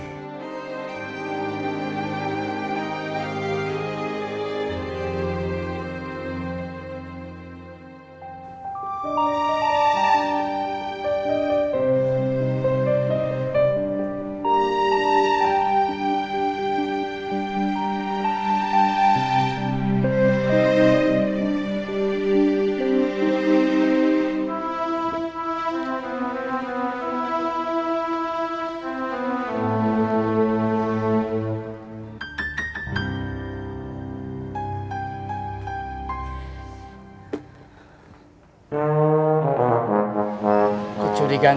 kecurigaan saya sudah berakhir